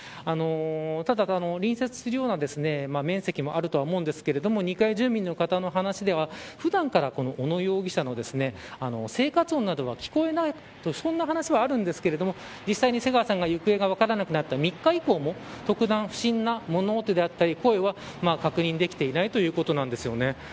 ただ、隣接するような面積もあるとは思うんですが２階住民の方の話では普段から小野容疑者の生活音などは聞こえないとそんな話はあるんですが実際に、瀬川さんの行方が分からなくなった３日以降も特段、不審な物音だったり声は確認できていないということです。